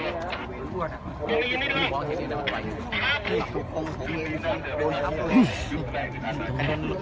มีผู้ที่ได้รับบาดเจ็บและถูกนำตัวส่งโรงพยาบาลเป็นผู้หญิงวัยกลางคน